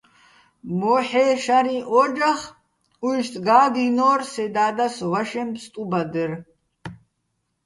მოჰ̦ე́ შარიჼ ო́ჯახ, უჲშტი̆ გა́გჲინორ სე და́დას ვაშეჼ ფსტუბადერ.